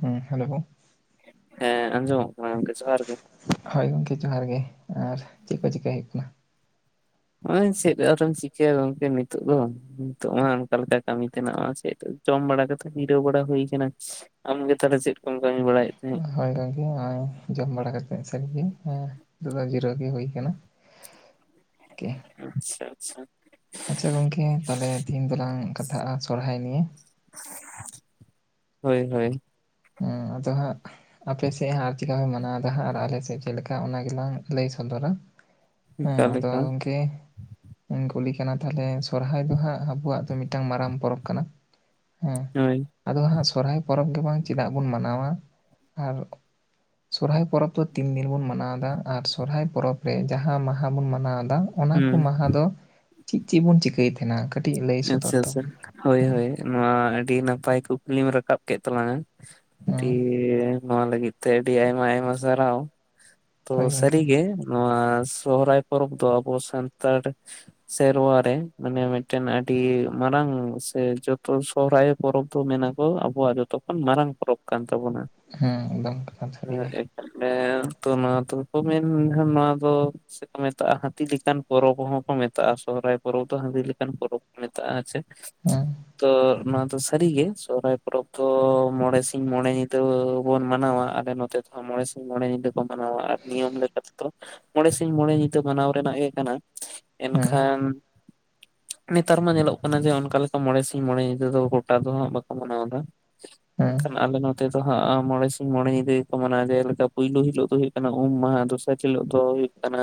ᱦᱩᱸ ᱦᱮᱞᱳᱣ ᱾ ᱦᱮᱸ ᱟᱸᱡᱚᱢᱚᱜ ᱠᱟᱱᱟ ᱚᱝᱠᱮ ᱡᱚᱦᱟᱨ ᱜᱮ ᱾ ᱦᱳᱭ ᱜᱚᱝᱠᱮ ᱡᱚᱦᱟᱨ ᱜᱮ ᱟᱨ ᱪᱮᱜ ᱠᱚ ᱪᱤᱠᱟᱭ ᱦᱩᱭᱩᱜ ᱠᱟᱱᱟ? ᱚᱭ ᱥᱮᱜ ᱟᱨᱮᱢ ᱪᱤᱠᱟᱹᱭᱟ ᱜᱚᱝᱠᱮ ᱱᱤᱛᱚᱜ ᱫᱚ ᱾ ᱱᱤᱛᱚᱜ ᱢᱟ ᱚᱱᱠᱟ ᱞᱮᱠᱟ ᱠᱟᱹᱢᱤ ᱛᱮᱱᱟᱜ ᱢᱟ ᱥᱮᱜ ᱡᱚᱢ ᱵᱟᱲᱟ ᱠᱟᱛᱮ ᱡᱤᱨᱟᱹᱣ ᱵᱟᱲᱟ ᱦᱩᱭ ᱠᱟᱱᱟ ᱾ ᱟᱢᱜᱮ ᱛᱟᱞᱮ ᱪᱮᱜ ᱠᱚᱢ ᱠᱟᱹᱢᱤ ᱵᱟᱹᱲᱟᱭᱮᱫ ᱛᱟᱦᱮᱸᱫ? ᱦᱳᱭ ᱜᱚᱝᱠᱮ ᱚᱭ ᱡᱚᱢ ᱵᱟᱲᱟ ᱠᱟᱛᱮ [unintelligible] ᱱᱤᱛᱚᱜ ᱫᱚ ᱡᱤᱨᱟᱹᱜ ᱜᱮ ᱦᱩᱭ ᱠᱟᱱᱟ ᱾ [inaudible] ᱟᱪᱪᱷᱟ ᱟᱪᱪᱷᱟ, ᱟᱪᱪᱷᱟ ᱜᱚᱝᱠᱮ ᱛᱟᱦᱞᱮ ᱛᱤᱦᱤᱧ ᱫᱚᱞᱟᱝ ᱠᱟᱛᱷᱟᱜᱼᱟ ᱥᱚᱨᱦᱟᱭ ᱱᱤᱭᱮ ᱾ [inaudible] ᱦᱳᱭ ᱦᱳᱭ, ᱦᱮᱸ ᱟᱫᱚ ᱦᱟᱜ ᱟᱯᱮ ᱥᱮᱜ ᱟᱨ ᱪᱤᱠᱟᱯᱮ ᱢᱟᱱᱟᱣ ᱫᱟ ᱦᱟᱸᱜ ᱟᱨ ᱟᱞᱮ ᱥᱮᱜ ᱪᱮᱞᱠᱟ ᱚᱱᱟ ᱜᱮᱞᱟᱝ ᱞᱮᱭ ᱥᱚᱫᱚᱨᱟ ᱾ ᱦᱮᱸ ᱚᱠᱟ ᱟᱫᱚ ᱞᱮᱠᱟ ᱜᱚᱝᱠᱮ ᱤᱧ ᱠᱩᱞᱤ ᱠᱟᱱᱟ ᱛᱟᱦᱞᱮ ᱥᱚᱨᱦᱟᱭ ᱫᱚ ᱦᱟᱸᱜ ᱟᱵᱚᱣᱟᱜ ᱫᱚ ᱢᱤᱫᱴᱟᱝ ᱢᱟᱨᱟᱝ ᱯᱚᱨᱚᱵᱽ ᱠᱟᱱᱟ ᱾ ᱦᱳᱭ, ᱟᱫᱚ ᱦᱟᱸᱜ ᱥᱚᱨᱦᱟᱭ ᱯᱚᱨᱚᱵᱽ ᱜᱮ ᱵᱟᱝ ᱪᱮᱫᱟᱜ ᱵᱚᱱ ᱢᱟᱱᱟᱣᱟ? ᱟᱨ ᱥᱚᱨᱦᱟᱭ ᱯᱚᱨᱚᱵᱽ ᱫᱚ ᱛᱤᱱ ᱫᱤᱱ ᱵᱚᱱ ᱢᱟᱱᱟᱣᱫᱟ ᱟᱨ ᱥᱚᱨᱦᱟᱭ ᱯᱚᱨᱚᱵᱽ ᱨᱮ ᱡᱟᱦᱟᱸ ᱢᱟᱦᱟ ᱵᱚᱱ ᱢᱟᱱᱟᱣᱫᱟ ᱾ ᱚᱱᱟ ᱠᱚ ᱦᱩᱸ ᱢᱟᱦᱟ ᱫᱚ ᱪᱤᱜ ᱪᱤᱜ ᱵᱚᱱ ᱪᱤᱠᱟᱹᱭ ᱛᱷᱮᱱᱟ? ᱟᱪᱪᱷᱟ ᱟᱪᱪᱷᱟ ᱦᱳᱭ ᱦᱳᱭ ᱱᱚᱣᱟ ᱟᱹᱰᱤ ᱱᱟᱯᱟᱭ ᱠᱩᱠᱞᱤ ᱨᱟᱠᱟᱵ ᱠᱮᱫ ᱛᱟᱞᱟᱝ-ᱟ᱾ ᱦᱮᱸ ᱦᱮᱸ ᱫᱤᱭᱮ ᱱᱚᱣᱟ ᱞᱟᱹᱜᱤᱫ ᱛᱮ ᱟᱹᱰᱤ ᱟᱭᱢᱟ ᱟᱭᱢᱟ ᱥᱟᱨᱦᱟᱣ ᱛᱚ ᱦᱳᱭ ᱥᱟᱹᱨᱤ ᱜᱚᱝᱠᱮ ᱜᱮ ᱾ ᱱᱚᱣᱟ ᱥᱚᱦᱨᱟᱭ ᱯᱚᱨᱚᱵᱽ ᱫᱚ ᱟᱵᱚ ᱥᱟᱱᱛᱟᱲ ᱥᱮᱨᱣᱟ ᱨᱮ ᱢᱟᱱᱮ ᱢᱤᱫ ᱴᱮᱱ ᱟᱹᱰᱤ ᱢᱟᱨᱟᱝ ᱥᱮ ᱡᱚᱛᱚ ᱥᱚᱦᱚᱨᱟᱭ ᱯᱚᱨᱚᱵᱽ ᱫᱚ ᱢᱮᱱᱟ ᱠᱚ ᱟᱵᱚᱣᱟᱜ ᱡᱚᱛᱚ ᱠᱷᱚᱱ ᱢᱟᱨᱟᱝ ᱯᱚᱨᱚᱵᱽ ᱾ ᱠᱟᱱ ᱛᱟᱵᱚᱱᱟ ᱾ ᱦᱮᱸ ᱮᱠᱫᱚᱢ ᱠᱟᱛᱷᱟᱱ ᱥᱟᱹᱨᱤ ᱜᱮ ᱾ ᱮ ᱛᱚ ᱱᱚᱣᱟ ᱫᱚ ᱢᱮᱱ ᱱᱚᱣᱟ ᱫᱚ ᱥᱮᱠᱚ ᱢᱮᱛᱟᱜ-ᱟ ᱦᱟᱹᱛᱤ ᱞᱮᱠᱟᱱ ᱯᱚᱨᱚᱵᱽ ᱦᱚᱸᱠᱚ ᱢᱮᱛᱟᱜ-ᱟ ᱥᱚᱨᱦᱟᱭ ᱯᱚᱨᱚᱵᱽ ᱫᱚ ᱦᱟᱹᱛᱤ ᱞᱮ ᱠᱟᱱ ᱯᱚᱨᱚᱵᱽ ᱠᱚ ᱢᱮᱛᱟᱜ ᱟᱪᱮ᱾ ᱦᱩᱸ᱾ ᱛᱚ ᱱᱚᱣᱟ ᱫᱚ ᱥᱟᱹᱨᱤ ᱜᱮ ᱥᱚᱨᱦᱟᱭ ᱯᱚᱨᱚᱵᱽ ᱫᱚ ᱢᱚᱬᱮ ᱥᱤᱧ ᱢᱚᱬᱮ ᱧᱤᱫᱟᱹ ᱵᱚᱱ ᱢᱟᱱᱟᱣᱟ ᱟᱞᱮ ᱱᱚᱛᱮ ᱛᱮ ᱢᱚᱬᱮ ᱥᱤᱧ ᱢᱚᱬ ᱧᱤᱫᱟᱹ ᱠᱚ ᱢᱟᱱᱟᱣᱟ ᱟᱨ ᱱᱤᱭᱚᱢ ᱞᱮᱠᱟ ᱞᱮᱠᱟᱛᱮᱫᱚ ᱢᱚᱲᱮ ᱥᱤᱧ ᱢᱚᱲᱮ ᱧᱤᱫᱟᱹ ᱢᱟᱱᱟᱣ ᱨᱮᱱᱟᱜ ᱜᱮ ᱠᱟᱱᱟ ᱦᱮᱸ ᱮᱱᱠᱷᱟᱱ ᱱᱮᱛᱟᱨ ᱢᱟ ᱧᱮᱞᱚᱜ ᱠᱟᱱᱟ ᱡᱮ ᱚᱱᱞᱮᱠᱟ ᱢᱚᱬᱮ ᱥᱤᱧ ᱢᱚᱬᱮ ᱧᱤᱫᱟᱹ ᱫᱚ ᱜᱚᱴᱟ ᱫᱚ ᱦᱟᱸᱜ ᱵᱟᱠᱚ ᱢᱟᱱᱟᱣ ᱮᱫᱟ᱾ ᱦᱮᱸ ᱮᱠᱟᱞ ᱟᱞᱮ ᱱᱚ ᱛᱮ ᱫᱚ ᱦᱟᱸᱜ ᱢᱚᱲᱮ ᱥᱤᱧ ᱢᱚᱲᱮ ᱧᱤᱫᱟᱹ ᱜᱮ ᱠᱚ ᱢᱟᱱᱟᱣᱟ ᱡᱮᱞᱮᱠᱟ ᱯᱩᱭᱞᱩ ᱦᱤᱞᱳᱜ ᱫᱚ ᱦᱩᱭᱩᱜ ᱠᱟᱱᱟ ᱩᱢ ᱢᱟᱦᱟ ᱫᱚᱥᱟᱨ ᱦᱤᱞᱚᱜ ᱫᱚ ᱦᱩᱭᱩᱜ ᱠᱟᱱᱟ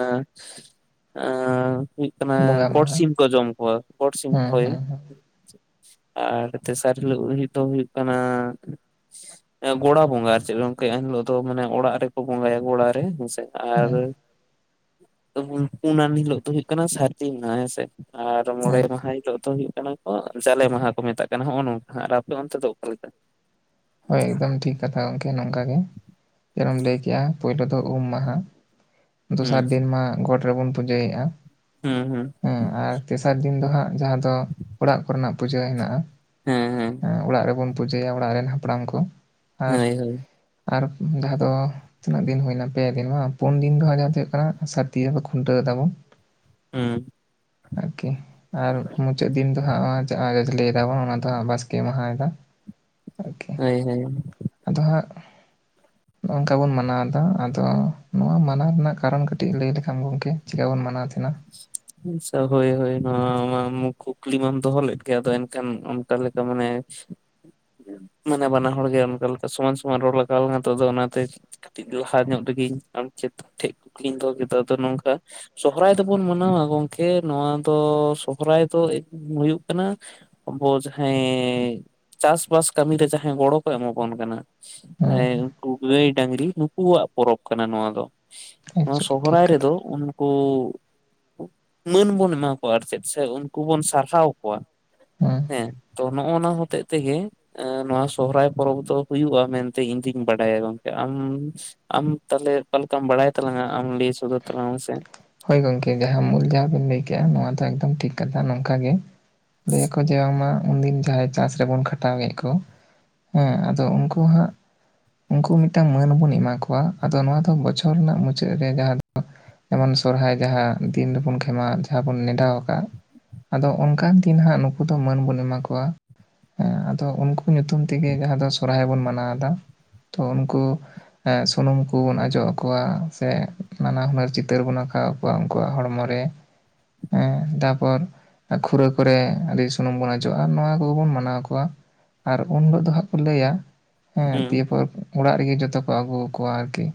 ᱟ ᱦᱩ ᱠᱟᱱᱟ ᱵᱚᱸᱜᱟ ᱜᱚᱴ ᱢᱟᱦᱟ ᱥᱤᱢ ᱠᱚ ᱡᱚᱢ ᱠᱚᱣᱟ ᱜᱚᱴ ᱥᱤᱢ ᱦᱮᱸ ᱦᱟᱹᱭ᱾ ᱦᱮᱸ ᱟᱨ ᱛᱮᱥᱟᱨ ᱦᱤᱞᱳᱜ ᱫᱚ ᱦᱩᱭᱩᱜ ᱠᱟᱱᱟ ᱜᱚᱲᱟ ᱵᱚᱸᱜᱟ ᱟᱨ ᱪᱮᱫ ᱜᱚᱝᱠᱮ ᱮᱱ ᱦᱤᱞᱳᱜ ᱫᱚ ᱢᱟᱱᱮ ᱚᱲᱟᱜ ᱨᱮᱠᱚ ᱵᱚᱸᱜᱟᱭᱟ ᱜᱚᱲᱟ ᱨᱮ ᱦᱮᱸᱥᱮ᱾ ᱟᱨ ᱦᱮᱸ ᱯᱩᱱᱟᱱ ᱦᱤᱞᱳ ᱫᱚ ᱦᱩᱭᱩᱜ ᱠᱟᱱᱟ ᱥᱟᱨᱫᱤ ᱢᱟᱦᱟ ᱦᱮᱸᱥᱮ᱾ ᱟᱨ ᱢᱚᱲᱮ ᱦᱮᱸ ᱢᱟᱦᱟ ᱦᱤᱞᱳᱜ ᱫᱚ ᱦᱩᱭᱩᱜ ᱠᱟᱱᱟ ᱠᱚ ᱡᱟᱞᱮ ᱢᱟᱦᱟ ᱠᱚ ᱢᱮᱛᱟᱜ ᱠᱟᱱᱟ ᱱᱚᱜ-ᱚ ᱱᱚᱝᱠᱟ᱾ ᱟᱨ ᱟᱯᱮ ᱚᱱᱛᱮ ᱫᱚ ᱚᱠᱟᱮ ᱞᱮᱠᱟ? ᱦᱳᱭ ᱮᱠᱫᱚᱢ ᱴᱷᱤᱠ ᱠᱟᱛᱷᱟ ᱜᱚᱝᱠᱮ ᱱᱚᱝᱠᱟ ᱜᱮ᱾ ᱡᱮᱱᱢ ᱞᱟᱹᱭ ᱠᱮᱜ-ᱟ ᱯᱳᱭᱞᱳ ᱫᱚ ᱩᱢ ᱢᱟᱦᱟ᱾ ᱫᱚᱥᱟᱨ ᱦᱩᱸ ᱫᱤᱱ ᱢᱟ ᱜᱚᱴ ᱨᱮᱵᱚᱱ ᱯᱩᱡᱟᱹᱭᱮᱫ-ᱟ᱾ ᱦᱩᱸ ᱦᱩᱸ᱾ ᱦᱮᱸ ᱟᱨ ᱛᱮᱥᱟᱨ ᱫᱤᱱ ᱫᱚ ᱦᱟᱸᱜ ᱡᱟᱦᱟᱸ ᱫᱚ ᱚᱲᱟᱜ ᱠᱚᱨᱮᱱᱟᱜ ᱯᱩᱡᱟᱹ ᱦᱮᱱᱟᱜ-ᱟ᱾ ᱦᱮᱸ ᱦᱮᱸ᱾ ᱚᱲᱟᱜ ᱨᱮᱵᱚᱱ ᱯᱩᱡᱟᱹᱭᱟ ᱚᱲᱟᱜ ᱨᱮᱱ ᱦᱟᱯᱲᱟᱢ ᱠᱚ ᱟᱨ ᱦᱳᱭ ᱦᱳᱭ ᱟᱨ ᱡᱟᱦᱟᱸ ᱫᱚ ᱛᱤᱱᱟᱹᱜ ᱫᱤᱱ ᱦᱩᱭᱱᱟ ᱯᱮ ᱫᱤᱱ ᱵᱟᱝ ᱯᱩᱱ ᱫᱤᱱ ᱫᱚ ᱫᱚ ᱦᱩᱭᱩᱜ ᱠᱟᱱᱟ ᱥᱟᱨᱫᱤ ᱠᱷᱩᱱᱴᱟᱹᱣ ᱫᱟᱵᱚᱱ᱾ ᱦᱮᱸ‍᱾ ᱟᱨᱠᱤ ᱟᱨ ᱢᱩᱪᱟᱹᱫ ᱫᱤᱱ ᱫᱚ ᱦᱟᱸᱜ ᱡᱟᱞᱮ ᱫᱟᱵᱚᱱ ᱚᱱᱟ ᱫᱚ ᱵᱟᱥᱠᱮ ᱢᱟᱦᱟᱭ ᱫᱟ᱾ ᱳᱠᱮ᱾ ᱦᱳᱭ ᱦᱳᱭ᱾ ᱟᱫᱚ ᱦᱟᱸᱜ᱾ ᱱᱚᱜᱝᱠᱟ ᱵᱚᱱ ᱢᱟᱱᱟᱣ ᱮᱫᱟ ᱟᱫᱚ ᱱᱚᱣᱟ ᱢᱟᱱᱟᱣ ᱨᱮᱱᱟᱜ ᱠᱟᱨᱚᱱ ᱠᱟᱹᱴᱤᱡ ᱞᱟᱹᱭ ᱞᱮᱠᱷᱟᱱ ᱜᱚᱝᱠᱮ ᱪᱮᱠᱟ ᱵᱚᱱ ᱢᱟᱱᱟᱣ ᱛᱟᱦᱮᱱᱟ? [inaudible] ᱟᱪᱪᱷᱟ ᱦᱳᱭ ᱦᱳᱭ ᱱᱚᱣᱟ ᱠᱩᱠᱞᱤ ᱢᱟᱢ ᱫᱚᱦᱚ ᱞᱮᱫ ᱜᱮᱭᱟ ᱟᱫᱚ ᱮᱱᱠᱷᱟᱱ ᱚᱱᱠᱟ ᱞᱮᱠᱟ ᱢᱟᱱᱮ [inaudible] ᱢᱟᱱᱮ ᱵᱟᱱᱟ ᱦᱚᱲ ᱜᱮ ᱚᱱᱠᱟ ᱞᱮᱠᱟ ᱥᱚᱢᱟᱱ ᱥᱚᱢᱟᱱ ᱨᱚᱲ ᱞᱟᱜᱟᱣ ᱟᱞᱟᱜ ᱟᱫᱚ ᱚᱱᱟᱛᱮ ᱠᱟᱹᱴᱤᱡ ᱞᱟᱦᱟ ᱧᱚᱜ ᱨᱮᱜᱤᱧ ᱟᱢ ᱪᱮᱫ ᱴᱷᱮᱡ ᱠᱩᱠᱞᱤᱧ ᱫᱚᱦᱚ ᱠᱮᱫᱟ ᱟᱫᱚ ᱱᱚᱝᱠᱟ ᱥᱚᱨᱦᱟᱭ ᱛᱮᱵᱚᱱ ᱢᱟᱱᱟᱣᱟ ᱜᱚᱝᱠᱮ ᱱᱚᱣᱟ ᱫᱚ ᱥᱚᱦᱨᱟᱭ ᱫᱚ ᱦᱩᱭᱩᱜ ᱠᱟᱱᱟ ᱟᱵᱚ ᱡᱟᱦᱟᱸᱭ ᱪᱟᱥᱵᱟᱥ ᱠᱟᱹᱢᱤ ᱨᱮ ᱡᱟᱦᱟᱸᱭ ᱜᱚᱲᱚ ᱠᱚ ᱮᱢᱟᱵᱚᱱ ᱠᱟᱱᱟ᱾ ᱦᱮᱸ ᱩᱱᱠᱩ ᱜᱟᱹᱭ ᱰᱟᱝᱨᱤ ᱱᱩᱠᱩᱣᱟᱜ ᱯᱚᱨᱚᱵᱽ ᱠᱟᱱᱟ ᱱᱚᱣᱟ ᱫᱚ᱾ ᱱᱚᱣᱟ ᱮᱠᱪᱩᱭᱮᱞᱤ ᱴᱷᱤᱠ ᱥᱚᱦᱨᱟᱭ ᱠᱟᱛᱷᱟ ᱨᱮᱫᱚ ᱩᱱᱠᱩ ᱢᱟᱹᱱ ᱵᱚᱱ ᱮᱢᱟ ᱠᱚᱣᱟ ᱟᱨ ᱪᱮᱫ ᱥᱮ ᱩᱱᱠᱩ ᱵᱚᱱ ᱥᱟᱨᱦᱟᱣ ᱠᱚᱣᱟ᱾ ᱦᱮᱸ ᱛᱚ ᱱᱚᱜᱼ ᱱᱚᱣᱟ ᱦᱚᱛᱮᱜ ᱛᱮᱜᱮ ᱱᱚᱣᱟ ᱥᱚᱦᱨᱟᱭ ᱯᱚᱨᱚᱵᱽ ᱫᱚ ᱦᱩᱭᱩᱜᱼᱟ ᱢᱮᱱᱛᱮ ᱤᱧ ᱫᱩᱧ ᱵᱟᱰᱟᱭᱟ ᱜᱚᱢᱠᱮ᱾ ᱟᱢ ᱟᱢ ᱛᱟᱦᱚᱞᱮ ᱚᱠᱟ ᱞᱮᱠᱟᱢ ᱵᱟᱲᱟᱭ ᱛᱟᱞᱟᱝᱟ ᱟᱢ ᱞᱟᱹᱭ ᱥᱚᱫᱚᱨ ᱛᱟᱞᱟᱝ ᱢᱮ ᱥᱮ᱾ ᱦᱳᱭ ᱜᱚᱝᱠᱮ ᱡᱟᱦᱟᱸ ᱢᱩᱞ ᱡᱟᱦᱟᱸ ᱵᱤᱱ ᱞᱟᱹᱭ ᱠᱮᱫᱼᱟ ᱱᱚᱣᱟ ᱫᱚ ᱮᱠᱫᱚᱢ ᱴᱷᱤᱠ ᱠᱟᱛᱷᱟ ᱱᱚᱝᱠᱟ ᱜᱮ᱾ ᱞᱟᱹᱭ ᱟᱠᱚ ᱡᱮ ᱵᱟᱝᱢᱟ ᱩᱱᱫᱤᱱ ᱡᱟᱦᱟᱸᱭ ᱪᱟᱥ᱾ ᱡᱮᱵᱚᱱ ᱠᱷᱟᱴᱟᱣᱮᱫ ᱠᱚ ᱦᱮᱸ ᱟᱫᱚ ᱩᱱᱠᱩ ᱦᱟᱸᱜ᱾ ᱩᱱᱠᱩ ᱢᱤᱫᱴᱟᱝ ᱢᱟᱹᱱ ᱵᱚᱱ ᱮᱢᱟ ᱠᱚᱣᱟ ᱟᱫᱚ ᱱᱚᱣᱟ ᱫᱚ ᱵᱚᱪᱷᱚᱨ ᱨᱮᱱᱟᱜ ᱢᱩᱪᱟᱹᱫ ᱨᱮ ᱡᱟᱦᱟᱸ ᱫᱚ᱾ ᱡᱮᱢᱚᱱ ᱥᱚᱨᱦᱟᱭ ᱡᱟᱦᱟᱸ ᱫᱤᱱ ᱨᱮᱵᱚᱱ ᱠᱷᱮᱢᱟ ᱡᱟᱦᱟᱸ ᱵᱚᱱ ᱱᱮᱰᱟᱟᱣ ᱟᱠᱟᱫ᱾ ᱟᱫᱚ ᱚᱱᱠᱟᱱ ᱫᱤᱱ ᱦᱟᱸᱜ ᱱᱩᱠᱩ ᱫᱚ ᱢᱟᱹᱱ ᱵᱚᱱ ᱮᱢᱟ ᱠᱚᱣᱟ᱾ ᱦᱮᱸ ᱟᱫᱚ ᱩᱱᱠᱩ ᱧᱩᱛᱩᱢ ᱛᱮᱜᱮ ᱡᱟᱦᱟᱸ ᱫᱚ ᱥᱚᱨᱦᱟᱭ ᱵᱚᱱ ᱢᱟᱱᱟᱣ ᱮᱫᱟ, ᱛᱚ ᱩᱱᱠᱩ᱾ ᱥᱩᱱᱩᱢ ᱠᱩᱵᱩᱱ ᱚᱡᱚᱜ ᱟᱠᱚᱣᱟ ᱥᱮ ᱱᱟᱱᱟ ᱦᱩᱱᱟᱹᱨ ᱪᱤᱛᱟᱹᱨ ᱵᱚᱱ᱾ ᱟᱸᱠᱟᱣᱟ ᱟᱠᱚᱣᱟ ᱩᱱᱠᱩᱣᱟᱜ ᱦᱚᱲᱢᱚ ᱨᱮ ᱦᱮᱸ᱾ ᱛᱟᱨᱯᱚᱨ᱾ ᱠᱷᱩᱨᱟᱹ ᱠᱚᱨᱮ ᱟᱹᱰᱤ ᱥᱩᱱᱩᱢ ᱵᱚᱱ ᱚᱡᱚᱜᱼᱟ ᱟᱨ ᱱᱚᱣᱟ ᱠᱚᱵᱚᱱ ᱢᱟᱱᱟᱣ ᱠᱚᱣᱟ᱾ ᱟᱨ ᱩᱱ ᱦᱤᱞᱳᱜ ᱫᱚ ᱦᱟᱸᱜ ᱠᱚ ᱞᱟᱹᱭᱟ᱾ ᱦᱮᱸ ᱦᱩᱸ ᱫᱤᱭᱮ ᱯᱚᱨ ᱚᱲᱟᱜ ᱨᱮᱜᱮ ᱡᱚᱛᱚ ᱠᱚ ᱟᱹᱜᱩ ᱟᱠᱚᱣᱟ ᱟᱨᱠᱤ᱾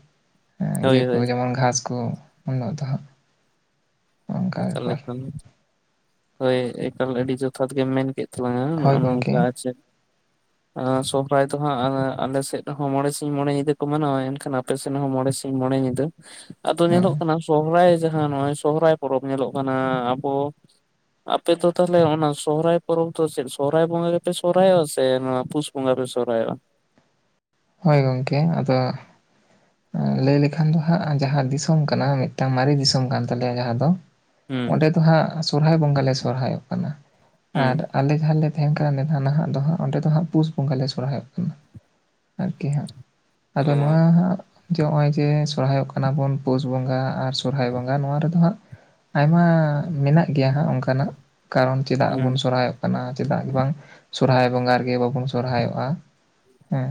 ᱦᱚᱸ ᱦᱳᱭ ᱤᱭᱟᱹ ᱠᱚ ᱦᱳᱭ ᱡᱮᱢᱚᱱ ᱜᱷᱟᱥ ᱠᱚ ᱾ ᱮᱠᱟ ᱵᱮᱯᱟᱨ ᱮᱠᱟ ᱦᱳᱭ ᱮᱠᱟᱞ ᱟᱹᱰᱤ ᱡᱚᱛᱷᱟᱛ ᱜᱮᱢ ᱢᱮᱱ ᱠᱮᱫ᱾ ᱛᱟᱞᱟᱝ ᱦᱳᱭ -ᱟ᱾ᱱᱚᱜ-ᱚᱭ ᱱᱚᱝᱠᱟ ᱜᱚᱝᱠᱮ ᱟᱨ ᱪᱮᱫ, [unintelligible] ᱥᱚᱦᱨᱟᱭ ᱫᱚ ᱦᱟᱸᱜ ᱟᱞᱮ ᱥᱮᱫ ᱦᱚᱸ ᱢᱚᱬᱮ ᱥᱤᱧ ᱢᱚᱬᱮ ᱧᱤᱫᱟᱹ ᱠᱚ ᱢᱟᱱᱟᱣᱟ᱾ ᱮᱱᱠᱷᱟᱱ᱾ ᱟᱯᱮ ᱥᱮᱱ ᱦᱚᱸ ᱢᱚᱬᱮ ᱥᱤᱧ ᱢᱚᱬᱮ ᱧᱤᱫᱟᱹ ᱟᱫᱚ ᱧᱮᱞᱚᱜ ᱦᱮᱸ ᱠᱟᱱᱟ ᱥᱚᱨᱦᱟᱭ ᱡᱟᱦᱟᱸ ᱱᱚᱜ ᱥᱚᱦᱚᱨᱟᱭ᱾ ᱯᱚᱨᱚᱵᱽ ᱧᱮᱞᱚᱜ ᱠᱟᱱᱟ ᱟᱵᱚ᱾ ᱟᱯᱮ ᱫᱚ ᱛᱟᱦᱚᱞᱮ ᱚᱱᱟ ᱥᱚᱦᱚᱨᱟᱭ ᱯᱚᱨᱚᱵᱽ ᱫᱚ ᱪᱮᱫ ᱥᱚᱨᱚᱦᱟᱭ ᱵᱚᱸᱜᱟ ᱜᱮ ᱯᱮ ᱥᱚᱨᱚᱦᱟᱭᱚᱜᱼᱟ ᱥᱮ ᱱᱚᱣᱟ ᱯᱩᱥ? ᱵᱚᱸᱜᱟ ᱯᱮ ᱥᱚᱦᱚᱨᱟᱭᱚᱜ-ᱟ? ᱦᱳᱭ ᱜᱚᱢᱠᱮ ᱟᱫᱚ᱾ ᱞᱟᱹᱭ ᱞᱮᱠᱷᱟᱱ ᱫᱚ ᱦᱟᱸᱜ ᱡᱟᱦᱟᱸ ᱫᱤᱥᱚᱢ ᱠᱟᱱᱟ ᱢᱤᱫᱴᱟᱝ ᱢᱟᱨᱮ ᱫᱤᱥᱚᱢ ᱠᱟᱱ ᱛᱟᱞᱮᱭᱟ, ᱡᱟᱦᱟᱸ ᱫᱚ᱾ ᱦᱩᱸ ᱚᱸᱰᱮ ᱫᱚ ᱦᱟᱸᱜ ᱥᱚᱨᱚᱦᱟᱭ ᱵᱚᱸᱜᱟ ᱞᱮ ᱥᱚᱨᱦᱟᱭᱚᱜ ᱠᱟᱱᱟ ᱦᱩᱸ ᱟᱨ ᱟᱞᱮ ᱡᱟᱦᱟᱸ ᱞᱮ᱾ ᱛᱟᱦᱮᱸᱱ ᱠᱟᱱᱟ ᱱᱮᱛᱟ ᱱᱟᱦᱟᱜ ᱫᱚ ᱦᱟᱸᱜ ᱚᱸᱰᱮ ᱫᱚ ᱦᱟᱸᱜ ᱯᱩᱥ ᱵᱚᱸᱜᱟ ᱞᱮ ᱥᱚᱨᱦᱟᱭᱚᱜ ᱠᱟᱱᱟ᱾ ᱟᱨᱠᱤ ᱦᱟᱸᱜ ᱟᱫᱚ ᱚ ᱱᱚᱣᱟ ᱦᱟᱸᱜ᱾ ᱡᱮ ᱱᱚᱜᱼᱚᱭ ᱡᱮ ᱥᱚᱨᱚᱦᱦᱟᱭᱚᱜ ᱠᱟᱱᱟ ᱵᱚᱱ ᱯᱩᱥ ᱵᱚᱸᱜᱟ ᱟᱨ ᱥᱚᱨᱚᱦᱟᱭ ᱵᱚᱸᱜᱟ ᱱᱚᱣᱟ ᱨᱮᱫᱚ ᱦᱟᱸᱜ᱾ ᱟᱭᱢᱟ ᱢᱮᱱᱟᱜ ᱜᱮᱭᱟ ᱦᱟᱸᱜ ᱚᱱᱠᱟᱱᱟᱜ ᱠᱟᱨᱚᱱ ᱪᱮᱫᱟᱜ ᱵᱚᱱ ᱦᱩᱸ ᱥᱚᱨᱦᱟᱭᱚᱜ ᱠᱟᱱᱟ᱾᱾ ᱪᱮᱫᱟᱜ ᱵᱟᱝ ᱥᱚᱨᱦᱟᱭ ᱵᱚᱸᱜᱟ ᱨᱮᱜᱮ ᱵᱟᱵᱚᱱ ᱥᱚᱨᱦᱟᱭᱚᱜᱼᱟ ᱦᱮᱸ?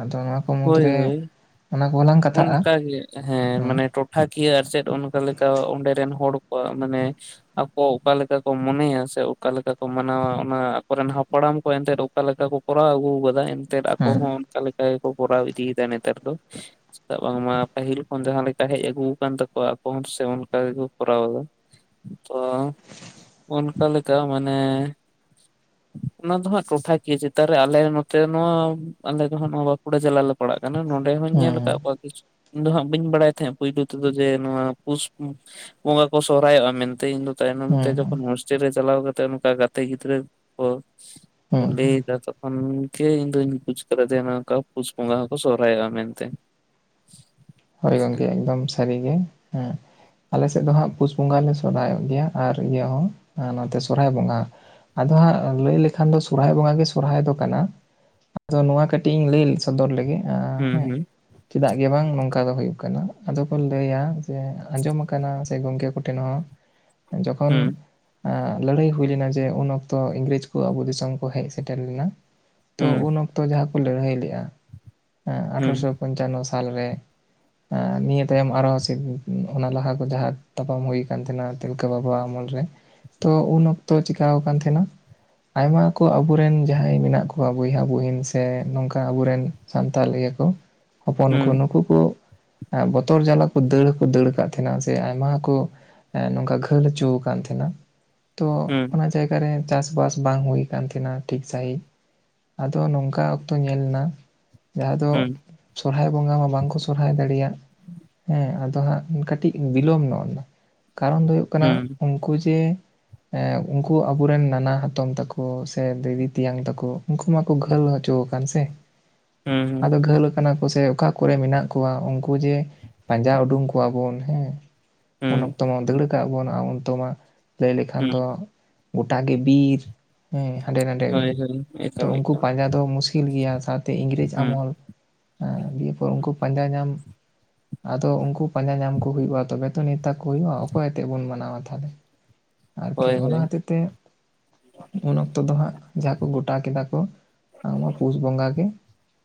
ᱟᱫᱚ ᱱᱚᱣᱟ ᱠᱚ ᱦᱳᱭ ᱢᱩᱫᱽᱨᱮ ᱦᱳᱭ ᱚᱱᱟ ᱠᱚᱞᱟᱝ ᱾ ᱚᱱᱠᱟᱜᱮ ᱦᱮᱸ ᱢᱟᱱᱮ᱾ ᱴᱚᱴᱟᱠᱤᱭᱟᱹ ᱟᱨ ᱪᱮᱫ ᱚᱱᱠᱟ ᱞᱮᱠᱟ ᱚᱸᱰᱮ ᱨᱮᱱ ᱦᱚᱲ ᱠᱚᱣᱟᱜ ᱢᱟᱱᱮ? ᱟᱠᱚ ᱚᱠᱟ ᱞᱮᱠᱟ ᱠᱚ ᱢᱚᱱᱮᱭᱟ ᱥᱮ ᱚᱠᱟ ᱞᱮᱠᱟ ᱠᱚ ᱢᱟᱱᱟᱣᱟ ᱚᱱᱟ ᱟᱠᱚᱨᱮᱱ ᱦᱟᱯᱲᱟᱢ ᱠᱚ ᱮᱱᱛᱮ ᱚᱠᱟ ᱞᱮᱠᱟ ᱠᱚ? ᱠᱚᱨᱟᱣ ᱟᱹᱜᱩ ᱠᱟᱫᱟ ᱮᱱᱛᱮᱫ ᱟᱠᱚ ᱦᱮᱸ ᱦᱚᱸ ᱚᱱᱠᱟ ᱞᱮᱠᱟ ᱜᱮᱠᱚ ᱠᱚᱨᱟᱣ ᱤᱫᱤᱭᱮᱫᱟ ᱱᱮᱛᱟᱨ ᱫᱚ᱾ ᱪᱮᱫᱟᱜ ᱵᱟᱝᱢᱟ ᱯᱟᱹᱦᱤᱞ ᱠᱷᱚᱱ ᱡᱟᱦᱟᱸ ᱞᱮᱠᱟ ᱦᱮᱡ ᱟᱹᱜᱩ ᱟᱠᱟᱱ ᱛᱟᱠᱚᱣᱟ ᱟᱠᱚ ᱦᱚᱸ ᱥᱮ ᱚᱱᱠᱟ ᱜᱮᱠᱚ ᱠᱚᱨᱟᱣ ᱮᱫᱟ᱾ ᱛᱚ ᱚᱱᱠᱟ ᱞᱮᱠᱟ ᱢᱟᱱᱮ᱾ ᱚᱱᱟ ᱫᱚ ᱦᱟᱸᱜ ᱴᱚᱴᱷᱟ ᱠᱤᱭᱟᱹ ᱪᱮᱛᱟᱱ ᱨᱮ ᱟᱞᱮ ᱱᱚᱛᱮ ᱱᱚᱣᱟ ᱟᱞᱮ ᱫᱚ ᱦᱟᱸᱜ ᱱᱚᱣᱟ ᱵᱟᱸᱠᱩᱲᱟ ᱡᱮᱞᱟ ᱞᱮ᱾ ᱯᱟᱲᱟᱜ ᱠᱟᱱᱟ ᱾ᱱᱚᱰᱮ ᱦᱚᱸᱧ ᱧᱮᱞ ᱟᱠᱟᱫ ᱦᱩᱸ ᱠᱚ᱾ ᱫᱚ ᱦᱟᱸᱜ ᱵᱟᱹᱧ ᱵᱟᱲᱟᱭ ᱛᱟᱦᱮᱸ ᱯᱩᱭᱞᱳ ᱛᱮᱫᱚ ᱡᱮ ᱱᱚᱣᱟ ᱯᱩᱥ᱾ ᱵᱚᱸᱜᱟ ᱠᱚ ᱥᱚᱨᱚᱦᱚᱜᱼᱟ ᱢᱮᱱᱛᱮ ᱤᱧ ᱫᱚ᱾ ᱛᱟᱭᱱᱚᱢ ᱛᱮ ᱦᱩᱸ ᱦᱩᱸ ᱡᱚᱠᱷᱚᱱ ᱦᱳᱥᱴᱮᱞ ᱨᱮ ᱪᱟᱞᱟᱣ ᱠᱟᱛᱮᱜ ᱚᱱᱠᱟ ᱜᱟᱛᱮ ᱜᱤᱫᱽᱨᱟᱹ ᱠᱚ᱾ ᱦᱩᱸ ᱞᱟᱹᱭ ᱦᱩᱸ ᱫᱟ ᱛᱚ᱾ ᱚᱱᱜᱮ ᱤᱧ ᱫᱩᱧ ᱵᱩᱡ ᱠᱟᱫᱟ ᱡᱮ ᱚᱱᱮ ᱚᱱᱠᱟ ᱯᱩᱥ ᱵᱚᱸᱜᱟ ᱦᱚᱸᱠᱚ ᱥᱚᱦᱨᱟᱭᱚᱜᱼᱟ ᱢᱮᱱᱛᱮ᱾ [unintelligible] ᱦᱳᱭ ᱜᱚᱢᱠᱮ ᱮᱠᱫᱚᱢ ᱥᱟᱹᱨᱤ ᱜᱮ ᱦᱮᱸ᱾ ᱟᱞᱮ ᱥᱮᱫ ᱫᱚ ᱦᱟᱸᱜ ᱯᱩᱥ ᱵᱚᱸᱜᱟ ᱞᱮ ᱥᱚᱨᱦᱟᱭᱚᱜ ᱜᱮᱭᱟ ᱟᱨ ᱤᱭᱟᱹ ᱦᱚᱸ ᱱᱚᱛᱮ ᱥᱚᱨᱚᱦᱟᱭ ᱵᱚᱸᱜᱟ᱾ ᱟᱫᱚ ᱦᱟᱸᱜ ᱞᱟᱹᱭ ᱞᱮᱠᱷᱟᱱ ᱫᱚ ᱥᱚᱨᱦᱟᱭ ᱵᱚᱸᱜᱟ ᱜᱮ ᱥᱚᱨᱦᱟᱭ ᱫᱚ ᱠᱟᱱᱟ, ᱟᱫᱚ ᱱᱚᱣᱟ ᱠᱟᱹᱴᱤᱡ ᱤᱧ ᱞᱤᱞ ᱥᱚᱫᱚᱨ ᱞᱮᱜᱮ ᱟ ᱦᱩᱸ ᱦᱮᱸ ᱦᱩᱸ ᱪᱮᱫᱟᱜ ᱜᱮ ᱵᱟᱝ ᱱᱚᱝᱠ ᱠᱟ ᱫᱚ ᱦᱳᱭᱳᱜ ᱠᱟᱱᱟ ᱟᱫᱚ ᱠᱚ ᱞᱟᱹᱭᱟ ᱡᱮ ᱟᱸᱡᱚᱢ ᱠᱟᱱᱟ ᱥᱮ ᱜᱚᱝᱠᱮ ᱠᱚᱴᱷᱮᱱ ᱦᱚᱸ᱾ ᱡᱚᱠᱷᱚᱱ ᱦᱩᱸ ᱟᱸ ᱞᱟᱹᱲᱦᱟᱹᱭ ᱦᱩᱭ ᱞᱮᱱᱟ ᱡᱮ ᱩᱱ ᱚᱠᱛᱚ ᱤᱝᱨᱮᱪ ᱠᱚ ᱟᱵᱚ ᱫᱤᱥᱚᱢ ᱠᱚ ᱦᱮᱡ ᱥᱮᱴᱮᱨ ᱞᱮᱱᱟ᱾ ᱛᱚ ᱦᱩᱸ ᱩᱱ ᱚᱠᱛᱚ ᱡᱟᱦᱟᱸ ᱠᱚ ᱞᱟᱹᱲᱦᱟᱹᱭ ᱞᱮᱜᱼᱟ ᱦᱩᱸ ᱟᱴᱷᱚᱨᱚᱥᱚ ᱯᱚᱧᱪᱟᱱᱱᱚ ᱥᱟᱞᱨᱮ᱾ ᱦᱮᱸ ᱱᱤᱭᱟᱹ ᱛᱟᱭᱚᱢ ᱟᱨᱚ ᱥᱤᱵ ᱚᱱᱟ ᱞᱟᱦᱟ ᱠᱚ ᱡᱟᱦᱟᱸ ᱛᱟᱯᱟᱢ ᱦᱩᱭ ᱠᱟᱱ ᱛᱟᱦᱮᱱᱟ ᱛᱤᱞᱠᱟᱹ ᱵᱟᱵᱟᱣ ᱟᱢᱚᱞ ᱨᱮ᱾ ᱛᱚ ᱩᱱ ᱚᱠᱛᱚ ᱪᱤᱠᱟᱣ ᱠᱟᱱ ᱛᱷᱮᱸᱱᱟ? ᱟᱭᱢᱟ ᱠᱚ ᱟᱵᱩᱨᱮᱱ ᱡᱟᱦᱟᱸᱭ ᱢᱮᱱᱟᱜ ᱠᱚᱣᱟ ᱵᱚᱭᱦᱟ ᱵᱩᱦᱤᱱ ᱥᱮ ᱱᱚᱝᱠᱟ ᱟᱵᱩᱨᱮᱱ ᱥᱟᱱᱛᱟᱞ ᱤᱭᱟᱹ ᱠᱚ, ᱦᱚᱯᱚᱱ ᱠᱚ ᱦᱩᱸ ᱱᱩᱠᱩ ᱠᱚ ᱟᱸᱜ ᱵᱚᱛᱚᱨ ᱡᱟᱞᱟ ᱠᱚ ᱫᱟᱹᱲ ᱦᱚᱸᱠᱚ ᱫᱟᱹᱲ ᱠᱟᱜ ᱛᱷᱮᱱᱟ ᱥᱮ ᱟᱭᱢᱟ ᱦᱚᱠᱚ ᱦᱮᱸ ᱱᱚᱝᱠᱟ ᱜᱷᱟᱹᱞ ᱦᱚᱪᱩᱣ ᱠᱟᱱ ᱛᱷᱮᱱᱟ ᱛᱚ ᱩᱸ᱾ ᱟᱸ ᱡᱟᱭᱜᱟ ᱨᱮ ᱪᱟᱥᱼᱵᱟᱥ ᱵᱟᱝ ᱦᱩᱭ ᱠᱟᱱ ᱛᱷᱮᱱᱟ ᱴᱷᱤᱠ ᱥᱟᱺᱦᱤᱡ᱾ ᱟᱫᱚ ᱱᱚᱝᱠᱟ ᱚᱠᱛᱚ ᱧᱮᱞᱱᱟ ᱡᱟᱦᱟᱸ ᱫᱚ ᱦᱩᱸ ᱥᱚᱨᱦᱟᱭ ᱵᱚᱸᱜᱟ ᱦᱚᱸ ᱵᱟᱝ ᱠᱚ ᱥᱚᱨᱦᱟᱭ ᱫᱟᱲᱮᱭᱟᱜ ᱦᱮᱸ ᱟᱫᱚ ᱦᱟᱸᱜ ᱠᱟᱹᱴᱤᱡ ᱵᱤᱞᱚᱢ ᱱᱚᱜᱱᱟ ᱠᱟᱨᱚᱱ ᱫᱚ ᱦᱩᱭᱩᱜ ᱠᱟᱱᱟ ᱦᱩᱸ ᱩᱝᱠᱩ ᱡᱮ ᱦᱮᱸ, ᱩᱝᱠᱩ ᱟᱵᱩᱨᱮᱱ ᱱᱟᱱᱟ ᱦᱟᱛᱚᱢ ᱛᱟᱠᱚ ᱥᱮ ᱫᱤᱫᱤ ᱛᱤᱭᱟᱝ ᱛᱟᱠᱳ ᱩᱝᱠᱩ ᱢᱟᱠᱚ ᱜᱷᱟᱹᱞ ᱦᱚᱪᱚ ᱟᱠᱟᱱ ᱥᱮ, ᱦᱩᱸ ᱟᱫᱚ ᱜᱷᱟᱹᱞ ᱟᱠᱟᱱᱟ ᱠᱚ ᱥᱮ ᱚᱠᱟ ᱠᱚᱨᱮ ᱢᱮᱱᱟᱜ ᱠᱚᱣᱟ ᱩᱝᱠᱩ ᱡᱮ ᱯᱟᱸᱡᱟ ᱩᱰᱩᱝ ᱠᱚᱣᱟ ᱵᱚᱱ ᱦᱮᱸ᱾ ᱩᱱ ᱦᱩᱸ ᱚᱠᱛᱚ ᱢᱟ ᱫᱟᱹᱲ ᱠᱟᱼᱟ ᱵᱚᱱ ᱩᱱ ᱛᱮᱢᱟ ᱞᱟᱹᱭ ᱞᱮᱠᱷᱟᱱ ᱦᱩᱸ ᱫᱚ ᱜᱚᱴᱟ ᱜᱮ ᱵᱤᱨ ᱦᱮᱸ ᱦᱟᱸᱰᱮ ᱱᱟᱸᱰᱮ᱾ ᱦᱳᱭ ᱦᱳᱭ ᱛᱚ ᱮᱠᱫᱚᱢ ᱩᱝᱠᱩ ᱮᱠᱫᱚᱢ ᱯᱟᱸᱡᱟ ᱫᱚ ᱢᱩᱥᱠᱤᱞ ᱜᱮᱭᱟ ᱥᱟᱶᱛᱮ ᱤᱝᱨᱮᱡᱽ ᱦᱩᱸ ᱟᱢᱚᱞ ᱦᱮᱸ ᱫᱤᱭᱮᱯᱚᱨ ᱩᱝᱠᱩ ᱯᱚᱸᱡᱟ ᱧᱟᱢ ᱟᱫᱚ ᱩᱝᱠᱩ ᱯᱟᱸᱡᱟ ᱧᱟᱢ ᱠᱚ ᱦᱩᱭᱩᱜᱼᱟ ᱛᱚᱵᱮ ᱛᱚ ᱱᱮᱣᱛᱟ ᱠᱚ ᱦᱩᱭᱩᱜᱼᱟ, ᱚᱠᱚᱭ ᱟᱛᱮᱜ ᱵᱚᱱ ᱢᱟᱱᱟᱣᱟ ᱛᱟᱦᱚᱞᱮ? ᱟᱨᱠᱤ ᱦᱳᱭ ᱚᱱᱟ ᱦᱳᱭ ᱦᱚᱛᱮᱡ ᱛᱮ ᱩᱱ ᱚᱠᱛᱚ ᱫᱚ ᱦᱟᱸᱜ ᱡᱟᱦᱟᱸ ᱠᱚ ᱜᱚᱴᱟ ᱠᱮᱫᱟ ᱠᱚ᱾ ᱩᱸ ᱚᱱᱟ ᱯᱩᱥ ᱵᱚᱸᱜᱟ ᱜᱮ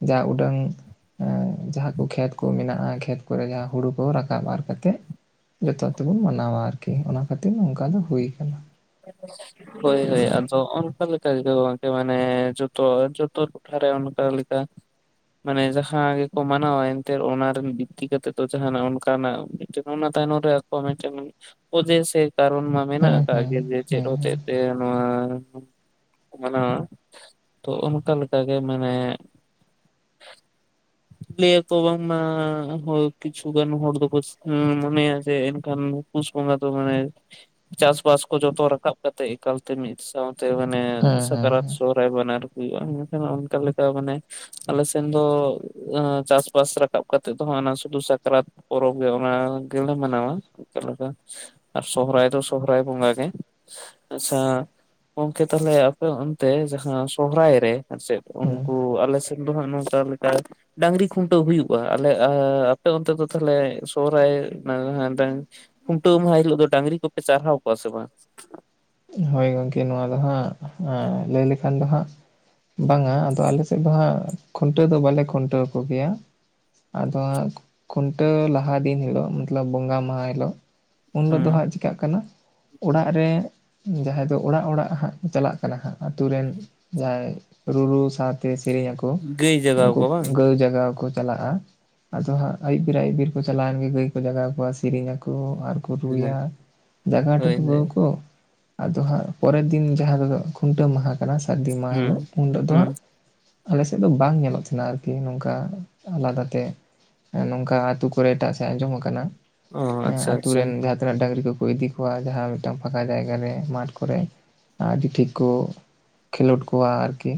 ᱡᱟ ᱩᱰᱟᱹᱝ ᱩᱸ ᱡᱟᱦᱟᱸ ᱠᱩ ᱠᱷᱮᱛ ᱠᱩ ᱢᱮᱱᱟᱜᱼᱟ ᱠᱷᱮᱛ ᱠᱚᱨᱮ ᱡᱟᱦᱟᱸ ᱦᱩᱲᱩ ᱠᱚ ᱨᱟᱠᱟᱵ ᱟᱨ ᱠᱟᱛᱮᱜ ᱡᱚᱛᱚ ᱛᱮᱵᱚᱱ ᱢᱟᱱᱟᱣᱟ ᱟᱨᱠᱤ, ᱚᱱᱟ ᱠᱷᱟᱹᱛᱤᱨ ᱱᱚᱝᱠᱟ ᱫᱚ ᱦᱩᱭ ᱠᱟᱱᱟ᱾ ᱦᱳᱭ ᱦᱳᱭ ᱟ ᱪᱚ ᱚᱱᱠᱟ ᱞᱮᱠᱟ ᱜᱮ ᱜᱚᱝᱠᱮ ᱢᱟᱱᱮ ᱡᱚᱛᱚ ᱡᱚᱛᱚ ᱴᱚᱴᱷᱟ ᱨᱮ ᱚᱱᱠᱟ ᱞᱮᱠᱟ᱾ ᱢᱟᱱᱮ ᱡᱟᱦᱟᱸ ᱜᱮᱠᱚ ᱢᱟᱱᱟᱣᱟ ᱮᱱᱛᱮᱫ ᱚᱱᱟᱨᱮᱱ ᱵᱤᱛᱛᱤ ᱠᱟᱛᱮ ᱛᱚ ᱡᱟᱦᱟᱱᱟᱜ ᱚᱱᱠᱟᱱᱟᱜ ᱡᱮ ᱚᱱᱟ ᱛᱟᱭᱱᱚᱢ ᱨᱮ ᱟᱠᱚᱭᱟᱜ ᱢᱮᱜᱴᱮᱱ ᱚᱡᱮ ᱥᱮ ᱠᱟᱨᱚᱱ ᱢᱟ ᱢᱮᱱᱟᱜ ᱦᱮᱸ ᱟᱠᱟᱜ ᱦᱮᱸ ᱡᱮ ᱡᱮ ᱪᱮᱫ ᱦᱮᱸ ᱦᱚᱛᱮᱡ ᱦᱮᱸ ᱛᱮ ᱱᱚᱣᱟ ᱠᱚ ᱢᱟᱱᱟᱣᱟ, ᱛᱚ ᱚᱱᱠᱟ ᱞᱮᱠᱟ ᱜᱮ ᱢᱟᱱᱮ [inaudible] ᱞᱮᱭᱟ ᱠᱚ ᱵᱟᱝᱢᱟ ᱦᱳᱭ ᱠᱤᱪᱷᱩ ᱜᱟᱱ ᱦᱚᱲ ᱫᱚᱠᱚ ᱩᱢ ᱢᱚᱱᱮᱭᱟ ᱡᱮ ᱮᱱᱠᱷᱟᱱ ᱫᱚ ᱯᱩᱥ ᱵᱚᱸᱜᱟ ᱫᱚ ᱢᱟᱱᱮ ᱪᱟᱥᱼᱵᱟᱥ ᱠᱚ ᱡᱚᱛᱚ ᱨᱟᱠᱟᱵ ᱠᱟᱛᱮᱜ ᱮᱠᱟᱞ ᱛᱮ ᱢᱤᱫ ᱥᱟᱶᱛᱮ ᱢᱟᱱᱮ ᱦᱮᱸ ᱦᱮᱸ ᱥᱟᱠᱨᱟᱛ ᱥᱳᱨ ᱨᱮ ᱵᱟᱱᱟᱨ ᱦᱩᱭᱩᱜᱼᱟ ᱮᱠᱷᱟᱱ ᱚᱱᱠᱟ ᱞᱮᱠᱟ ᱢᱟᱱᱮ ᱟᱞᱮ ᱥᱮᱱ ᱫᱚ ᱡᱟᱦᱟᱸ ᱪᱟᱥᱼᱵᱟᱥ ᱨᱟᱠᱟᱵ ᱠᱟᱛᱮᱫ ᱫᱚ ᱦᱟᱸᱜ ᱚᱱᱟ ᱥᱩᱫᱩ ᱥᱟᱠᱨᱟᱛ ᱯᱚᱨᱚᱵ ᱜᱮ ᱚᱱᱟ ᱜᱮᱞᱮ ᱢᱟᱱᱟᱣᱟ ᱤᱛᱚᱜ ᱞᱮᱠᱟ ᱟ ᱥᱚᱦᱨᱟᱭ ᱫᱚ ᱥᱚᱦᱨᱟᱭ ᱵᱚᱸᱜᱟ᱾ ᱮ ᱟᱥᱥᱟ ᱜᱚᱝᱠᱮ ᱛᱟᱦᱚᱞᱮ ᱟᱯᱮ ᱚᱱᱛᱮ ᱡᱟᱦᱟᱸ ᱥᱚᱦᱨᱟᱭ ᱨᱮ ᱟᱨᱪᱮᱫ ᱦᱮᱸ ᱩᱱᱠᱩ ᱟᱞᱮ ᱩᱱ ᱫᱚ ᱦᱟᱸᱜ ᱱᱚᱝᱠᱟ ᱞᱮᱠᱟ, ᱰᱟᱝᱨᱤ ᱠᱷᱩᱱᱴᱟᱹᱣ ᱦᱩᱭᱩᱜᱼᱟ, ᱟᱞᱮ ᱟᱻ ᱟᱯᱮ ᱚᱱᱛᱮ ᱫᱚ ᱛᱟᱦᱚᱞᱮ ᱥᱚᱦᱨᱟᱭ ᱰᱟᱹ ᱰᱟᱹᱝ ᱠᱷᱩᱱᱴᱟᱹᱣ ᱢᱟᱦᱟ ᱦᱤᱞᱳᱜ ᱫᱚ ᱰᱟᱝᱨᱤ ᱠᱚᱯᱮ ᱪᱟᱨᱦᱟᱣ ᱠᱚᱣᱟ ᱥᱮ ᱵᱟᱝ? ᱦᱳᱭ ᱜᱚᱝᱠᱮ ᱱᱚᱣᱟ ᱫᱚ ᱦᱟᱸᱜ ᱟᱸ ᱞᱟᱹᱭ ᱞᱮ [unintelligible] ᱮᱠᱷᱟᱱ ᱫᱚ ᱦᱟᱸᱜ ᱵᱟᱝ ᱟ ᱟᱫᱚ ᱟᱞᱮ ᱥᱮᱫ ᱫᱚ ᱦᱟᱸᱜ ᱠᱷᱩᱱᱴᱟᱹᱣ ᱫᱚ ᱵᱟᱞᱮ ᱠᱷᱩᱱᱴᱟᱹᱣ ᱠᱚ ᱜᱮᱭᱟ, ᱟᱫᱚ ᱦᱟᱜ ᱠᱷᱩᱱᱴᱟᱹᱣ ᱞᱟᱦᱟ ᱫᱤᱱ ᱦᱤᱞᱳᱜ ᱢᱚᱛᱞᱚᱵ ᱵᱚᱸᱜᱟ ᱢᱟᱦᱟ ᱦᱤᱞᱳᱜ, ᱩᱱᱤᱞᱳᱜ ᱦᱮᱸ ᱫᱚ ᱦᱟᱸᱜ ᱪᱮᱤᱠᱟᱹᱜ ᱠᱟᱱᱟ ᱚᱲᱟᱜ ᱨᱮ, ᱡᱟᱦᱟᱸᱭ ᱫᱚ ᱚᱲᱟᱜ ᱚᱲᱟᱜ ᱦᱟᱸᱜ, ᱪᱟᱞᱟᱜ ᱠᱟᱱᱟ ᱦᱟᱸᱜ ᱟᱛᱩ ᱨᱮᱱ ᱡᱟᱦᱟᱸᱭ ᱨᱩᱨᱩ ᱥᱟᱶᱛᱮ ᱥᱮᱨᱮᱧ ᱟᱠᱚ, ᱜᱟᱹᱭ ᱡᱟᱜᱟᱣ ᱩᱱᱠᱩ ᱠᱚᱣᱟ ᱵᱟᱝ ᱜᱟᱹᱭ ᱡᱟᱜᱟᱣ ᱠᱚ ᱪᱟᱞᱟᱜᱼᱟ᱾ ᱟᱫᱚ ᱦᱟᱸᱜ ᱟᱭᱩᱵ ᱵᱮᱨ ᱟᱭᱩᱵ ᱵᱮᱨ ᱠᱚ ᱪᱟᱞᱟᱣᱮᱱ ᱜᱮ ᱜᱟᱹᱭ ᱠᱚ ᱡᱟᱜᱟᱣ ᱠᱚᱣᱟ ᱥᱮᱨᱮᱧ ᱟᱠᱚ᱾ ᱠᱚ ᱟᱨ ᱠᱚ ᱦᱮᱸ ᱨᱩᱭᱟ, ᱡᱟᱜᱟ ᱦᱳᱭ ᱴᱩᱠᱩ ᱦᱳᱭ ᱦᱚᱠᱚ ᱟᱫᱚ ᱦᱟᱸᱜ ᱯᱚᱨᱮᱨ ᱫᱤᱱ ᱡᱟᱦᱟᱸ ᱫᱚ ᱠᱷᱩᱱᱴᱟᱹᱣ ᱢᱟᱦᱟ ᱠᱟᱱᱟ ᱥᱟᱹᱨᱫᱤ ᱢᱟᱦᱟ ᱦᱤᱞᱳᱜ ᱦᱩᱸ ᱩᱱ ᱨᱮ ᱫᱚ, ᱦᱩᱸ ᱦᱟᱸᱜ ᱟᱞᱮ ᱥᱮᱫ ᱫᱚ ᱵᱟᱝ ᱧᱮᱞᱚᱜ ᱛᱟᱦᱮᱱᱟ ᱟᱨᱠᱤ ᱱᱚᱝᱠᱟ ᱟᱞᱟᱫᱟ ᱛᱮ᱾ ᱱᱚᱝᱠᱟ ᱟᱛᱩ ᱠᱚᱨᱮ ᱮᱴᱟᱜ ᱥᱮᱫ ᱟᱸᱡᱚᱢ ᱠᱟᱱᱟ, ᱚ ᱟᱪᱪᱷᱟ ᱟᱛᱳ ᱟᱪᱪᱷᱟ ᱨᱮᱱ ᱡᱟᱦᱟᱸᱛᱤᱱᱟᱹᱜ ᱰᱟᱹᱝᱨᱤ ᱠᱚᱠᱚ ᱤᱫᱤ ᱠᱚᱣᱟ ᱡᱟᱦᱟᱸ ᱢᱤᱫᱴᱟᱝ ᱯᱷᱟᱸᱠᱟ ᱡᱟᱭᱜᱟ ᱨᱮ, ᱢᱟᱴᱷ ᱠᱚᱨᱮ, ᱟᱹᱰᱤ ᱴᱷᱤᱠ ᱠᱚ ᱠᱷᱮᱞᱳᱰ ᱠᱚᱣᱟ ᱟᱨᱠᱤ,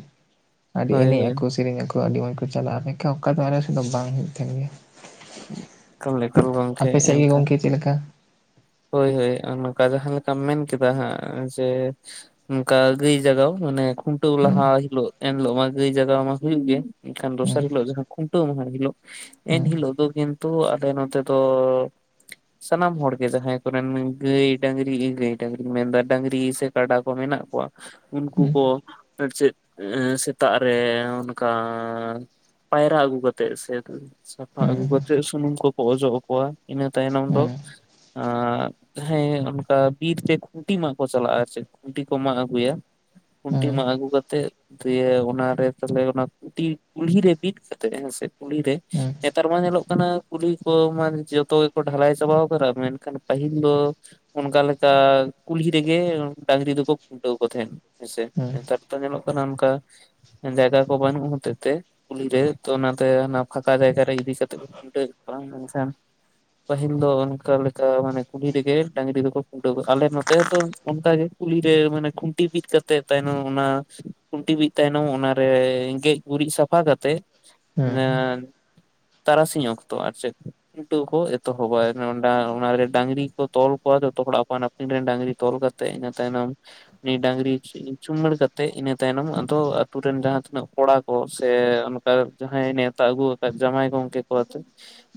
ᱟᱹᱰᱤ ᱦᱳᱭ ᱮᱱᱮᱡ ᱦᱳᱭ ᱟᱠᱚ, ᱥᱮᱨᱮᱧ ᱟᱠᱚ, ᱟᱹᱰᱤ ᱢᱚᱸᱡᱽ ᱠᱚ ᱪᱟᱞᱟᱜᱼᱟ ᱢᱮᱱᱠᱷᱟᱱ ᱚᱠᱟ ᱫᱚ ᱟᱞᱮ ᱥᱮ ᱫᱚ ᱵᱟᱝ ᱦᱳᱭᱳᱜ ᱛᱟᱦᱮᱱ ᱜᱮᱭᱟ᱾ ᱮᱠᱟᱞ ᱮᱠᱟᱞ ᱜᱚᱝᱠᱮ ᱟᱯᱮ ᱥᱮᱜ ᱜᱮ ᱮᱱᱠᱷᱟᱱ ᱜᱚᱝᱠᱮ ᱪᱮ ᱞᱮᱠᱟ? ᱦᱳᱭ ᱦᱳᱭ ᱚᱱᱝᱠᱟ ᱡᱟᱦᱟᱸ ᱞᱮᱠᱟᱢ ᱢᱮᱱ ᱠᱮᱫᱟ ᱦᱟᱸᱜ, ᱡᱮ ᱚᱱᱠᱟ ᱜᱟ. ᱭ ᱡᱟᱜᱟ. ᱣ, ᱢᱟᱱᱮ ᱠᱷᱩᱱᱴᱟᱹᱣ ᱦᱩᱸ ᱞᱟᱦᱟ ᱦᱤᱞᱳᱜ ᱮᱱ ᱦᱤᱞᱳᱜ ᱢᱟ ᱜᱟᱹᱭ ᱡᱟᱜᱟ ᱢᱟ ᱦᱳᱭᱳᱜ ᱜᱮ, ᱮᱱᱠᱷᱟᱱ ᱦᱩᱸ ᱫᱚᱥᱟᱨ ᱦᱤᱞᱳᱜ ᱡᱟᱦᱟ ᱠᱷᱩᱱᱴᱟᱹᱣ ᱢᱟᱦᱟ ᱦᱤᱞᱳᱜ ᱮᱱ ᱦᱩᱸ ᱦᱤᱞᱳᱜ ᱫᱚ ᱠᱤᱱᱛᱩ ᱟᱞᱮ ᱱᱚᱛᱮ ᱫᱚ, ᱥᱟᱱᱟᱢ ᱦᱚᱲ ᱜᱮ ᱡᱟᱦᱟᱸᱭ ᱜᱟ. ᱭ ᱰᱟ. ᱝᱨᱤ ᱤ ᱜᱟ. ᱭ ᱰᱟ. ᱝᱨᱤ ᱢᱮᱱᱫᱟ ᱰᱟᱹᱝᱨᱤ ᱥᱮ ᱠᱟᱰᱟ ᱠᱚ ᱢᱮᱱᱟᱜ ᱠᱚᱣᱟ, ᱩᱱᱠᱩ ᱦᱩᱸ ᱠᱚ ᱟᱨ ᱪᱮᱫ ᱥᱮᱛᱟᱜ ᱨᱮ ᱚᱱᱠᱟ, ᱯᱟᱭᱨᱟ ᱟᱹᱜᱩ ᱠᱟᱛᱮᱜ ᱥᱮ ᱥᱟᱯᱷᱟ ᱦᱩᱸ ᱦᱩᱸ ᱦᱩᱸ ᱦᱩᱸ ᱦᱩᱸ ᱟᱹᱜᱩ ᱠᱟᱛᱮᱫ ᱥᱩᱱᱩᱢ ᱠᱚᱠᱚ ᱚᱡᱚᱜ ᱟᱠᱚᱣᱟ, ᱤᱱᱟᱹ ᱛᱟᱭᱱᱚᱢ ᱫᱚ ᱟᱨ ᱦᱮᱸ ᱚᱱᱠᱟ ᱵᱤᱨᱛᱮ ᱠᱷᱩᱱᱴᱤ ᱢᱟᱜ ᱠᱚ ᱪᱟᱞᱟᱜᱼᱟ ᱾ᱟᱨ ᱪᱮᱫ ᱠᱷᱩᱱᱴᱤ ᱠᱚ ᱢᱟᱜ ᱟᱹᱜᱩᱭᱟ ᱠᱷᱩᱱᱴᱤ ᱢᱟᱜ ᱟᱜᱩ ᱠᱟᱛᱮᱫ, ᱫᱤᱭᱮ ᱚᱱᱟᱨᱮ ᱛᱟᱦᱚᱞᱮ ᱚᱱᱟ ᱠᱩᱴᱤᱨ ᱠᱩᱞᱦᱤ ᱨᱮ ᱵᱤᱫ ᱠᱟᱛᱮᱜ ᱦᱮᱸᱥᱮ, ᱠᱩᱞᱦᱤ ᱨᱮ ᱱᱮᱛᱟᱨ ᱢᱟ ᱧᱮᱞᱚᱜ ᱠᱟᱱᱟ ᱠᱩᱞᱦᱤ ᱠᱚ ᱢᱟ ᱡᱚᱛᱚ ᱜᱮᱠᱚ ᱰᱷᱟ. ᱞᱟ. ᱭ ᱪᱟᱵᱟᱣ ᱠᱟᱫᱟ, ᱢᱮᱱᱠᱷᱟᱱ ᱠᱷᱟᱱ ᱯᱟᱹᱦᱤᱞ ᱫᱚ ᱚᱱᱠᱟ ᱞᱮᱠᱟ ᱠᱩᱞᱦᱤ ᱨᱮᱜᱮ ᱰᱟᱝᱨᱤ ᱫᱚᱠᱚ ᱠᱷᱩᱱᱴᱟᱹᱣ ᱠᱚ ᱛᱟᱦᱮᱸᱱ, ᱦᱮᱸᱥᱮ, ᱱᱮᱛᱟᱨ ᱫᱚ ᱧᱮᱞᱚᱜ ᱠᱟᱱᱟ ᱚᱱᱠᱟ ᱡᱟ. ᱭᱜᱟ ᱠᱚ ᱵᱟᱹᱱᱩᱜ ᱦᱚᱛᱮᱜ ᱛᱮ, ᱠᱩᱞᱦᱤ ᱨᱮ ᱛᱚ ᱚᱱᱟᱛᱮ ᱚᱱᱟ ᱯᱷᱟᱠᱟ ᱡᱟ. ᱭᱜᱟ ᱨᱮ ᱤᱫᱤ ᱠᱟᱛᱮᱜ ᱠᱷᱩᱴᱟ. ᱣ [unintelligible] ᱮᱫ ᱠᱚᱭᱟ ᱢᱮᱱ ᱠᱷᱟᱱ ᱯᱟ. ᱦᱤᱞ ᱫᱚ ᱚᱱᱠᱟ ᱞᱮᱠᱟ ᱚᱱᱠᱟ ᱢᱟᱱᱮ ᱠᱩᱞᱤ ᱨᱮᱜᱮ ᱰᱟᱝᱨᱤ ᱫᱚᱠᱚ ᱠᱷᱩᱱᱴᱟᱹᱣ ᱟᱞᱮ ᱱᱚᱛᱮ ᱫᱚ ᱚᱱᱠᱟᱜᱮ ᱠᱩᱞᱦᱤᱨᱮ ᱢᱟᱱᱮ, ᱠᱷᱩᱱᱴᱤ ᱵᱤᱫ ᱠᱟᱛᱮ ᱛᱮ ᱛᱟᱭᱱᱚᱢ ᱚᱱᱟ ᱠᱷᱩᱱᱴᱤ ᱵᱤᱫ ᱛᱟᱭᱱᱚᱢ ᱚᱱᱟᱨᱮ ᱜᱮᱡ ᱜᱩᱨᱤᱡ ᱥᱟᱯᱷᱟ ᱠᱟᱛᱮᱜ, [unintelligible] ᱦᱩᱸ ᱦᱮ ᱛᱟᱨᱟᱥᱤᱧ ᱚᱠᱛᱚ ᱟᱨ ᱪᱮᱫ ᱠᱷᱩᱱᱴᱟᱹᱣ ᱠᱚ ᱮᱛᱚᱦᱚᱵ ᱟ᱾ [unintelligible] ᱚᱱᱟᱨᱮ ᱰᱟᱝᱨᱤ ᱠᱚ ᱛᱚᱞ ᱠᱚᱣᱟ ᱡᱚᱛᱚ ᱦᱚᱲ ᱟᱯᱟᱱ ᱟᱹᱯᱤᱱ ᱨᱮᱱ ᱰᱟᱹᱝᱨᱤ ᱛᱚᱞ ᱠᱟᱛᱮ ᱤᱱᱟᱹ ᱛᱟᱭᱱᱚᱢ, ᱱᱤ ᱰᱟᱝᱨᱤ ᱪᱩᱢᱟᱹᱲ ᱠᱟᱛᱮᱜ ᱤᱱᱟᱹ ᱛᱟᱭᱱᱚᱢ ᱟᱫᱚ ᱟᱛᱩᱨ ᱨᱮᱱ ᱡᱟᱦᱟᱸ ᱛᱤᱱᱟᱹᱜ ᱠᱚᱲᱟ ᱠᱚ, ᱥᱮ ᱡᱟᱦᱟᱸ ᱟᱭ ᱱᱮᱛᱟ ᱟᱹᱜᱩ ᱟᱠᱟᱫ ᱡᱟ. ᱭᱟ. ᱭ ᱜᱚᱝᱠᱮ,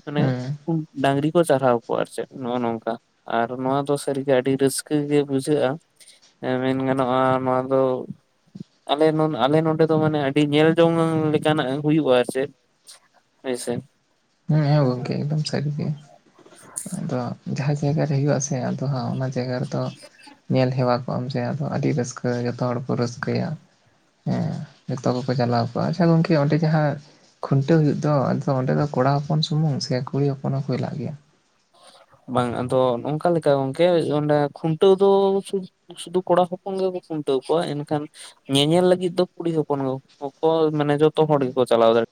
ᱢᱟᱱᱮ ᱦᱩᱸ ᱠᱷᱚ ᱰᱟᱝᱨᱤ ᱠᱚ ᱪᱟᱨᱦᱟᱣ ᱠᱚᱣᱟ ᱟᱨ ᱪᱮᱫ, ᱱᱚᱜᱼᱚ ᱱᱚᱝᱠᱟ ᱟᱨ ᱱᱚᱣᱟ ᱫᱚ ᱥᱟᱹᱨᱤᱜᱮ ᱟᱹᱰᱤ ᱨᱟᱹᱥᱠᱟᱹ ᱜᱮ ᱵᱩᱡᱷᱟᱹᱜᱼᱟ ᱮ ᱢᱮᱱ ᱜᱟᱱᱚᱜᱼᱟ ᱱᱚᱣᱟ ᱫᱚ ᱟᱞᱮ ᱟᱞᱮ ᱱᱚᱰᱮ ᱫᱚ ᱢᱟᱱᱮ ᱟᱹᱰᱤ ᱧᱮᱞ ᱡᱚᱝ ᱞᱮᱠᱟᱱᱟᱜ ᱦᱳᱭᱩᱜᱼᱟ ᱟᱨ ᱪᱮ ᱦᱳᱭ ᱥᱮ ᱦᱮᱸ ᱦᱮᱸ ᱜᱚᱝᱠᱮ ᱮᱠᱫᱚᱢ ᱥᱟᱹᱨᱤ ᱜᱮ ᱟᱫᱚ ᱡᱟᱦᱟᱸ ᱡᱟᱭᱜᱟ ᱨᱮ ᱦᱩᱭᱩᱜ ᱟᱥᱮ ᱟᱫᱚ ᱦᱟᱜ ᱚᱱᱟ ᱡᱟᱭᱜᱟ ᱨᱮᱫᱚ ᱧᱮᱞ ᱦᱮᱣᱟ ᱠᱚᱜ ᱟᱢ ᱡᱮ ᱟᱫᱚ ᱟᱹᱰᱤ ᱨᱟᱹᱥᱠᱟᱹ ᱡᱚᱛᱚ ᱦᱚᱲ ᱠᱚ ᱨᱟᱹᱥᱠᱟᱹᱭᱟ ᱦᱮᱸ ᱡᱚᱛᱚ ᱠᱚᱠᱚ ᱪᱟᱞᱟᱣ ᱠᱚᱜᱼᱟ ᱟᱪᱪᱷᱟ ᱜᱚᱝᱠᱮ ᱚᱸᱰᱮ ᱡᱟᱦᱟᱸ ᱠᱷᱩᱱᱴᱟᱹᱣ ᱦᱳᱭᱳᱜ ᱫᱚ ᱟᱫᱚ ᱚᱸᱰᱮ ᱫᱚ ᱠᱚᱲᱟ ᱦᱚᱯᱚᱱ ᱥᱩᱢᱩᱝ ᱥᱮ ᱠᱩᱲᱤ ᱦᱚᱯᱚᱱ ᱦᱚᱸᱠᱚ ᱦᱮᱞᱟᱜ ᱜᱮᱭᱟ ᱵᱟᱝ ᱟᱫᱚ ᱚᱱᱠᱟ ᱞᱮᱠᱟ ᱜᱚᱝᱠᱮ ᱚᱱᱮ ᱠᱷᱩᱱᱴᱟᱹᱣ ᱫᱚ ᱥᱩᱫᱩ ᱠᱚᱲᱟ ᱦᱚᱯᱚᱱ ᱜᱮᱠᱚ ᱠᱷᱩᱱᱴᱟᱹᱣ ᱠᱚᱣᱟ ᱮᱱᱠᱷᱟᱱᱼᱼ ᱧᱮᱧᱮᱞ ᱞᱟᱹᱜᱤᱫ ᱫᱚ ᱠᱩᱲᱤ ᱦᱚᱯᱚᱱ ᱠᱚ ᱠᱚ ᱢᱟᱱᱮ ᱡᱚᱛᱚ ᱦᱚᱲ ᱜᱮᱠᱚ ᱪᱟᱞᱟᱣ ᱫᱟᱲᱮᱜᱼᱼ